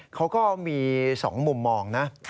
เขาก็มี๒มุมมองนะ